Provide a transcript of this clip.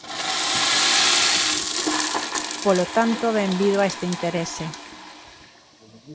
Polo tanto, benvido a este interese.